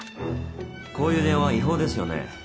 こういう電話は違法ですよね？